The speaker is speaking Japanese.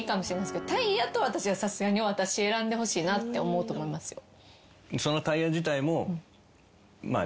タイヤと私はさすがに私選んでほしいなって思うと思いますよ。